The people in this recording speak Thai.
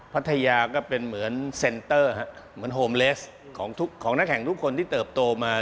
พัทยาก็เป็นเหมือนเซ็นเตอร์เหมือนโฮมเลสของทุกของนักแข่งทุกคนที่เติบโตมา